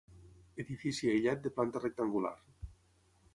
Edifici aïllat de planta rectangular.